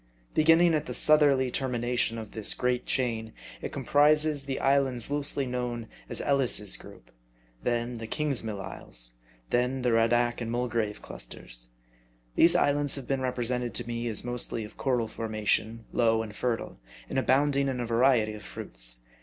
Beginning at the southerly termination of this great chain, it comprises the islands loosely known as Ellice's group ; then, the Kings mill isles ; then, the Radack and Mulgrave clusters. These islands had been represented to me as mostly of coral form ation, low and fertile, and abounding in a variety of fruits.